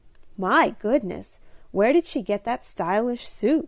"My goodness, where did she get that stylish suit?"